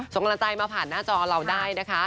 ส่งกำลังใจมาผ่านหน้าจอเราได้นะคะ